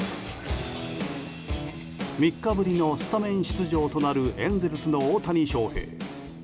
３日ぶりのスタメン出場となるエンゼルスの大谷翔平。